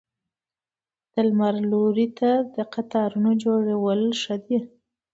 د لمر لوري ته د قطارونو جوړول ښه دي؟